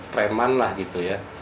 kereman lah gitu ya